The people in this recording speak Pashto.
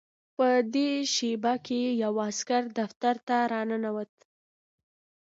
په دې شېبه کې یو عسکر دفتر ته راننوت